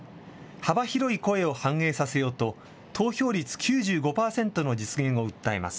幅広い声を反映させようと、投票率９５％の実現を訴えます。